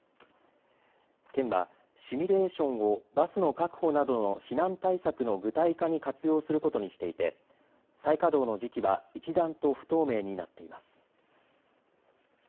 県はシミュレーションをバスの確保などの避難対策の具体化に活用することにしていて再稼働の時期は一段と不透明になっています。